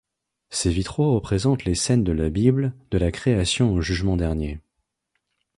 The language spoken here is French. Ces vitraux représentent les scènes de la Bible, de la Création au Jugement dernier.